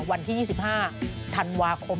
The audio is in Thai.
วันที่๒๕ธันวาคม